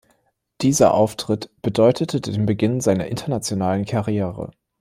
Dieser Auftritt bedeutete den Beginn seiner internationalen Karriere.